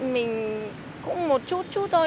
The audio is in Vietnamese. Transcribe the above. mình cũng một chút chút thôi